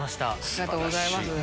ありがとうございます。